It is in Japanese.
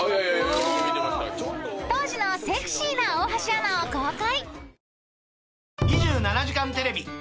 ［当時のセクシーな大橋アナを公開］